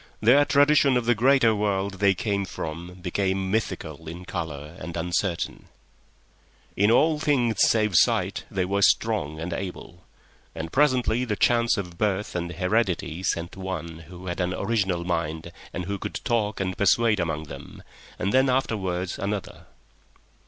Their tradition of the greater world they came from became mythical in colour and uncertain. In all things save sight they were strong and able, and presently chance sent one who had an original mind and who could talk and persuade among them, and then afterwards another.